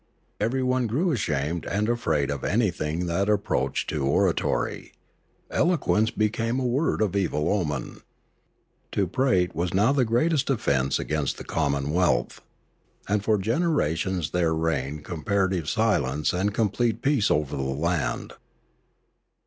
Everyone grew ashamed and afraid of anything that approached to oratory. Eloquence became a word of evil omen. To prate was 406 Limanora now the greatest offence against the commonwealth. And for generations there reigned comparative silence and complete peace over the land.